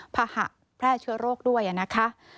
ภาหะแพร่เชื้อโรคด้วยนะคะ